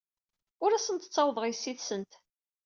Ur asent-ttawḍeɣ yessi-tsent.